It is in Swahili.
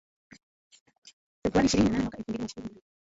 Februari ishirini na nane mwaka elfu mbili na ishirini na mbili